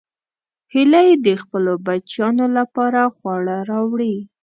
هیلۍ د خپلو بچیانو لپاره خواړه راوړي